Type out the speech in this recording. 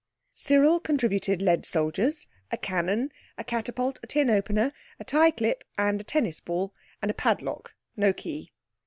Cyril contributed lead soldiers, a cannon, a catapult, a tin opener, a tie clip, and a tennis ball, and a padlock—no key.